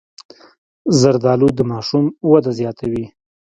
زردالو د ماشوم وده زیاتوي.